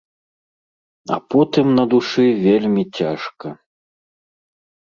А потым на душы вельмі цяжка.